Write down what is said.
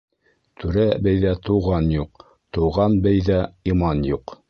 Түрә-бейҙә туған юҡ, Туған бейҙә иман юҡ.